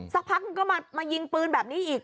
สักพักมันก็มายิงปืนแบบนี้อีก